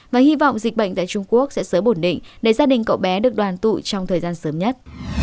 và hy vọng dịch bệnh tại trung quốc sẽ sớm ổn định để gia đình cậu bé được đoàn tụ trong thời gian sớm nhất